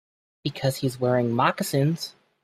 Because he's wearing moccasins.